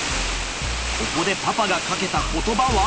ここでパパがかけた言葉は？